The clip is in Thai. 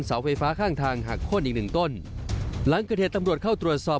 เสาไฟฟ้าข้างทางหักโค้นอีกหนึ่งต้นหลังเกิดเหตุตำรวจเข้าตรวจสอบ